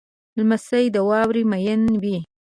لمسی د واورې مین وي.